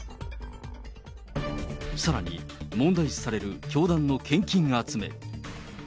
さらに問題視される教団の献金集め。